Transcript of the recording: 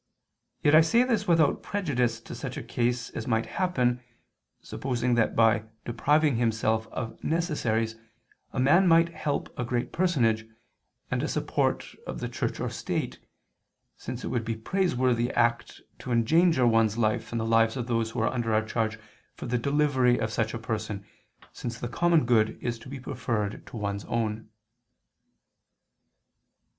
Yet I say this without prejudice to such a case as might happen, supposing that by depriving himself of necessaries a man might help a great personage, and a support of the Church or State, since it would be a praiseworthy act to endanger one's life and the lives of those who are under our charge for the delivery of such a person, since the common good is to be preferred to one's own.